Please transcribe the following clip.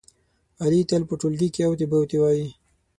علي تل په ټولگي کې اوتې بوتې وایي.